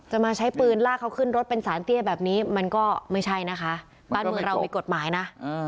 มาใช้ปืนลากเขาขึ้นรถเป็นสารเตี้ยแบบนี้มันก็ไม่ใช่นะคะบ้านเมืองเรามีกฎหมายนะ